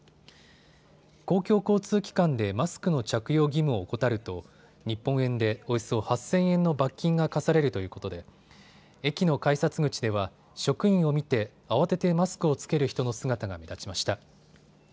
公共交通機関でマスクの着用義務を怠ると日本円でおよそ８０００円の罰金が科されるということで駅の改札口では職員を見て慌ててマスクを着ける人の姿が目立ちました。